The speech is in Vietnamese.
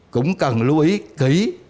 cũng cần lưu ý kỹ